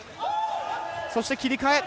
そして切り替え。